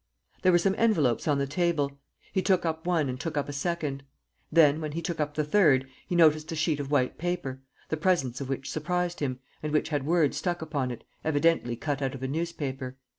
There were some envelopes on the table. He took up one and took up a second; then, when he took up the third, he noticed a sheet of white paper, the presence of which surprised him and which had words stuck upon it, evidently cut out of a newspaper.